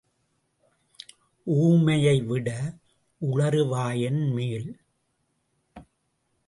ஊமையை விட உளறு வாயன் மேல்.